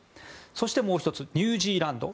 そして、もう１つニュージーランド。